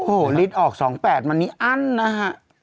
โอ้โฮลิตรออก๒๘มันนี่อั้นนะฮะ